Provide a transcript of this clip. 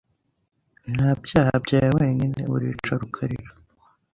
Nta byaha byawe wenyine uricara ukarira